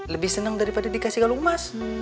lebih senang daripada dikasih kalung emas